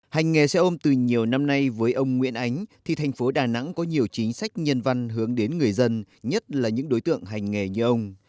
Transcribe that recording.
hành nghề xe ôm từ nhiều năm nay với ông nguyễn ánh thì thành phố đà nẵng có nhiều chính sách nhân văn hướng đến người dân nhất là những đối tượng hành nghề như ông